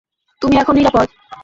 তুমি এখন নিরাপদ।